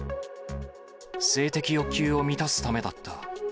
性的欲求を満たすためだった。